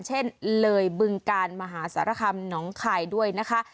เช่นเลยบึงกาลมหาสารคำหนองคายด้วยนะคะ